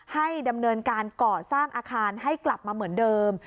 ให้ดำเนินการก่อสร้างอาคารให้กลับมาเหมือนเดิม